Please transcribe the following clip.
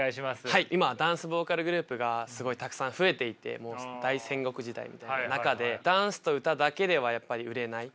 はい今ダンスボーカルグループがすごいたくさん増えていて大戦国時代みたいな中でダンスと歌だけではやっぱり売れない。